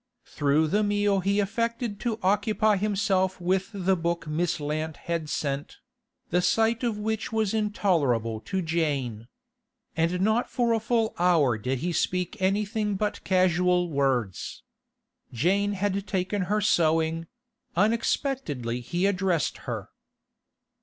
Through the meal he affected to occupy himself with the book Miss Lant had sent—the sight of which was intolerable to Jane. And not for a full hour did he speak anything but casual words. Jane had taken her sewing; unexpectedly he addressed her.